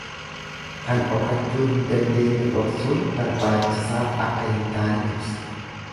Kan dhokachuu hin dandeenye dhoksuun baarbaachisaa akka hin taane ibsa.